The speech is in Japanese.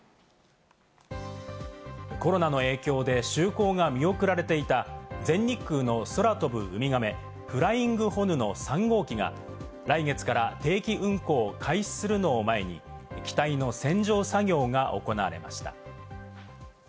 コロナの影響で就航が見送られていた全日空の空飛ぶウミガメ、ＦＬＹＩＮＧＨＯＮＵの３号機が来月から定期運航を開始するのを前に機体の洗浄作業が行われました。